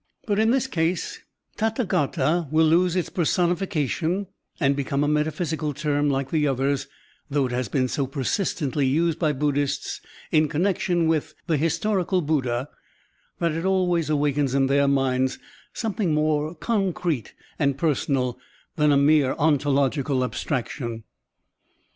But in this case Tathdgata will lose its personification and become a meta physical term like the others, though it has been so persistently used by Buddhists in connection with the historical Buddha that it always awakens in their minds something more concrete and personal than a mere ontological abstraction.